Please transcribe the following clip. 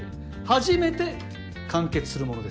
初めて完結するものです。